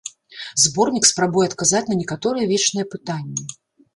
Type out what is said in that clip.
Зборнік спрабуе адказаць на некаторыя вечныя пытанні.